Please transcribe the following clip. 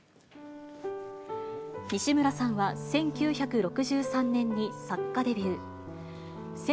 西村さんは１９６３年に作家デビュー。